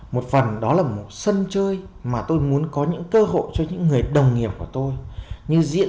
một phần đó là một sân chơi mà tôi muốn có những cơ hội cho những người đồng nghiệp của tôi như diễn